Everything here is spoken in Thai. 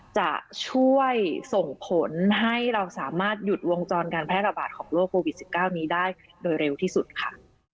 จะช่วยส่งผลให้เราสามารถหยุดวงจรการแพร่ระบาดของโรคโควิด๑๙นี้ได้โดยเร็วที่สุดค่ะ